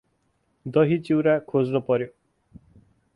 दहि चिउरा खोज्नु पर्यो।